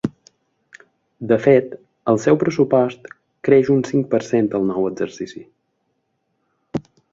De fet, el seu pressupost creix un cinc per cent el nou exercici.